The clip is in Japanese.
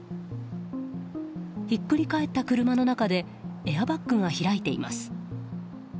ひっくり返った車の中でエアバッグが開いています。